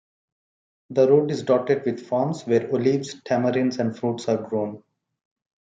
The road is dotted with farms where olives, tamarinds, and fruits are grown.